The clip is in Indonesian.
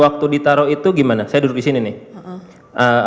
waktu ditaruh itu gimana saya duduk di sini nih